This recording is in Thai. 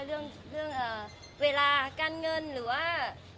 เรื่องเวลาการเงินหรือว่า